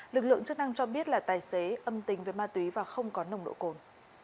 lực lượng chức năng cho biết là tài xế âm tính với ma túy và không có nồng độ cồn